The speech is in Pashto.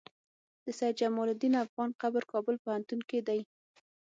د سيد جمال الدين افغان قبر کابل پوهنتون کی دی